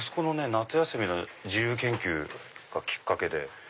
夏休みの自由研究がきっかけで。